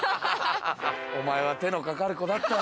お前は手のかかる子だったよ。